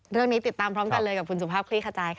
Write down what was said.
เรื่องนี้ติดตามพร้อมกันเลยกับคุณสุภาพคลิกขจายค่ะ